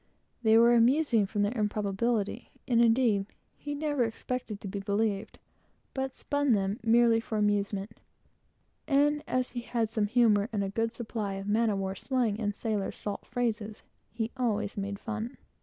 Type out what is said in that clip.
They were always amusing from their improbability, and, indeed, he never expected to be believed, but spun them merely for amusement; and as he had some humor and a good supply of man of war slang and sailor's salt phrases, he always made fun.